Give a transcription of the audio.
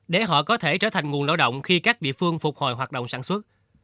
để họ có thể trở thành nguồn lợi động khi các địa phương phục hồi hoạt động sản xuất